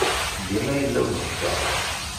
Dima yella uzekka.